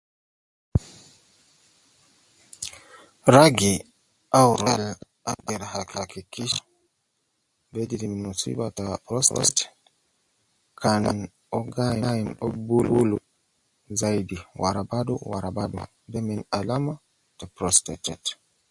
Ragi agder hakikisha ne uwo endi muswiba ta prostate kan uwo gi ayin uwo gi bulu zaidi wara badu wara badu, de min alama ta prostate